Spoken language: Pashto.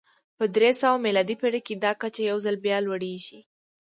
په درې سوه میلادي پېړۍ کې دا کچه یو ځل بیا لوړېږي